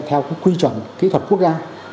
theo quy chuẩn kỹ thuật quốc gia